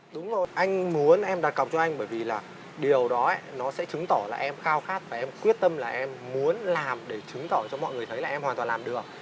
đúng là anh muốn em đặt cọc cho anh bởi vì là điều đó nó sẽ chứng tỏ là em khao khát và em quyết tâm là em muốn làm để chứng tỏ cho mọi người thấy là em hoàn toàn làm được